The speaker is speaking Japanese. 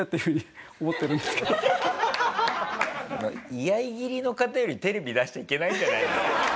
居合斬りの方よりテレビ出しちゃいけないんじゃないですか？